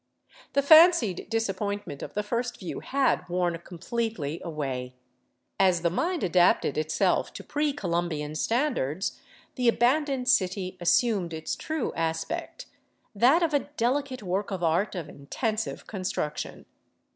The fancied dis appointment of the first view had worn completely away. As the mind adapted itself to pre Columbian standards, the abandoned city assumed its true aspect, that of a delicate work of art of intensive construction.